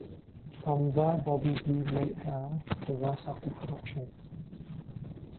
From there Bobby B laid down the rest of the production.